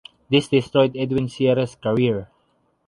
This destroyed Edwin Sierra’s career.